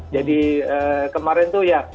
jadi kemarin itu ya